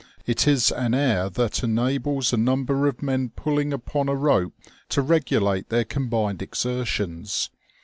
It is an air that enables a number of men pulling upon a rope to regulate their combined exertions.